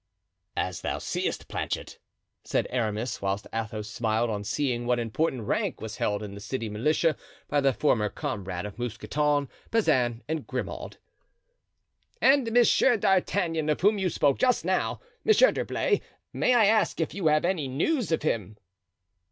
"As thou seest, Planchet," said Aramis, whilst Athos smiled on seeing what important rank was held in the city militia by the former comrade of Mousqueton, Bazin and Grimaud. "And Monsieur d'Artagnan, of whom you spoke just now, Monsieur d'Herblay; may I ask if you have any news of him?"